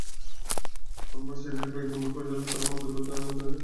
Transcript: এমন পরিস্থিতিতে কয়েকজন বোর্ড পরিচালক তাঁর বিরুদ্ধে মন্তব্য করায় তিনি মনঃক্ষুণ্ন হন।